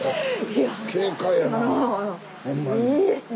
いやいいですね。